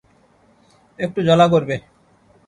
একটু জ্বালা করবে।